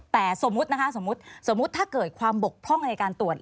แต่สมมุตินะคะสมมุติสมมุติถ้าเกิดความบกพร่องในการตรวจ